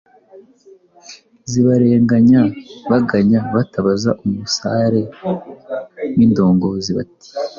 zibarenganya, baganya batabaza umusare w’indongozi, bati ”